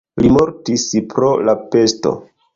Li mortis pro la pesto.